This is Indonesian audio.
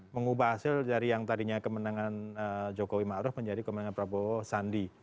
mengubah hasil dari yang tadinya kemenangan jokowi ma'ruf menjadi kemenangan prabowo sandi